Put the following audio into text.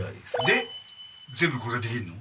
で全部これができるの？